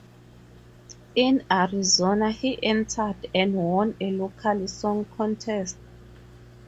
In Arizona he entered, and won, a local song contest.